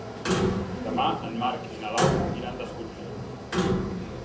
Demà en Marc i na Laura iran d'excursió.